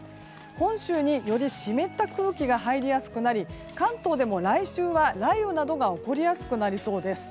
本州に、より湿った空気が入りやすくなり関東でも来週は雷雨などが起こりやすくなりそうです。